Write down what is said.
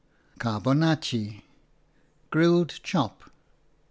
Carbonaatje, grilled chop.